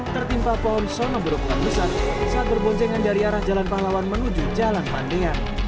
tertimpa pohon sono berukuran besar saat berboncengan dari arah jalan pahlawan menuju jalan pandean